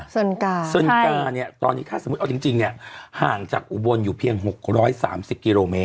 ส่วนกาเนี่ยตอนนี้ถ้าสมมุติเอาจริงเนี่ยห่างจากอุบลอยู่เพียง๖๓๐กิโลเมตร